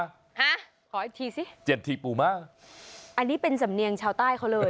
ฮะขออีกทีสิเจ็ดทีปูมาอันนี้เป็นสำเนียงชาวใต้เขาเลย